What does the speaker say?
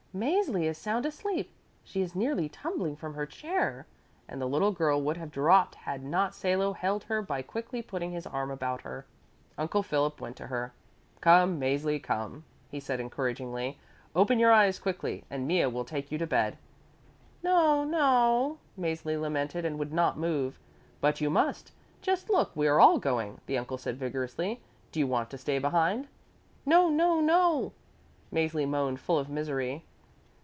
Mäzli is sound asleep. She is nearly tumbling from her chair." And the little girl would have dropped had not Salo held her by quickly putting his arm about her. Uncle Philip went to her. "Come, Mäzli, come," he said encouragingly, "open your eyes quickly and Mea will take you to bed." "No, no," Mäzli lamented, and would not move. "But you must! Just look, we are all going," the uncle said vigorously. "Do you want to stay behind?" "No, no, no," Mäzli moaned, full of misery.